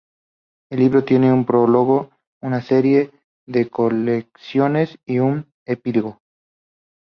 El libro tiene un prólogo, una serie de colecciones y un epílogo.